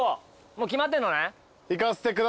もう決まってんのね？